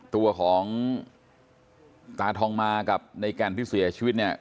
ตัวของตาทองมากับในแก่นที่เสียชีวิตเนี่ย